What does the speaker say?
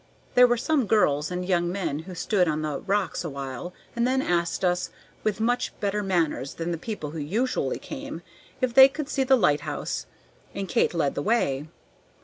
There were some girls and young men who stood on the rocks awhile, and then asked us, with much better manners than the people who usually came, if they could see the lighthouse, and Kate led the way.